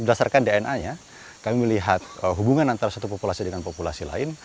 berdasarkan dna nya kami melihat hubungan antara satu populasi dengan populasi lain